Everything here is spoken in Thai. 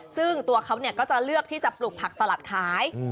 ซึ่งตัวเขาก็จะเลือกที่จะปลูกผักสลัดขาย